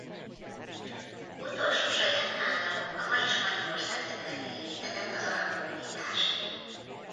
Utolsó saját államuk a mai Spanyolország területén létezett az arab hódításig.